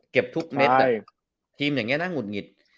เก็บทุกเม็ดอะทีมอย่างเงี้ยน่าหงุดหงิด